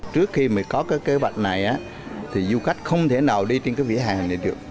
trước khi có kế hoạch này du khách không thể nào đi trên vỉa hè này được